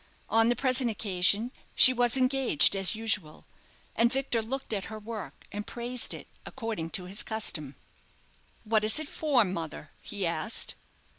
On the present occasion, she was engaged as usual, and Victor looked at her work and praised it, according to his custom. "What is it for, mother?" he asked.